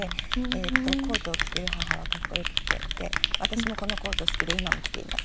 コートを着てる母はかっこよくて私もこのコート好きで今も着ています。